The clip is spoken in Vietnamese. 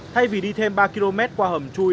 thay vì đi thêm ba km qua hầm chui